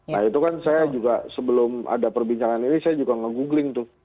nah itu kan saya juga sebelum ada perbincangan ini saya juga nge googling tuh